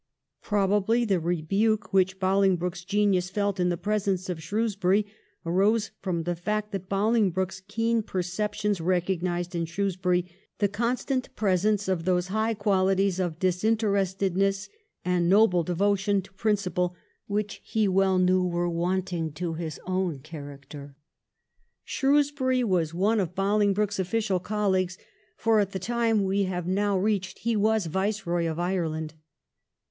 Probably the rebuke which Bolingbroke's genius felt in the presence of Shrewsbury arose from the fact that Bolingbroke's keen perceptions recognised in Shrewsbury the constant presence of those high qualities of disinterestedness and noble devotion to principle which he well knew were wanting to his own character. Shrewsbury was one of 1714 SHREWSBURY AND BOLINGBROKE. 355 Bolingbroke's oflScial colleagues, for at the time we have now reached he was Viceroy of Ireland.